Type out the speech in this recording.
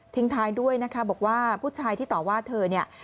ท้ายด้วยนะคะบอกว่าผู้ชายที่ต่อว่าเธอเนี่ย